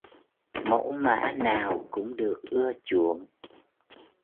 Mẫu mã nào cũng được ưa chuộng